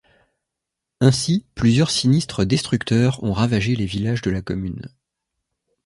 Ainsi, plusieurs sinistres destructeurs ont ravagé les villages de la commune.